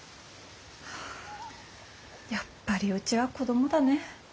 やっぱりうちは子供だね。